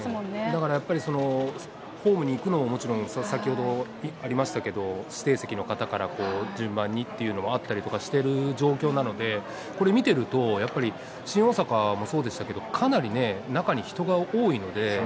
だからやっぱり、ホームに行くのももちろん、先ほどありましたけど、指定席の方から順番にっていうのもあったりしてる状況なので、これ、見てると、やっぱり新大阪もそうでしたけど、かなりね、中に人が多いので。